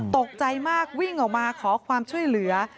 ตกใจมากวิ่งออกมาขอความช่วยเหลือ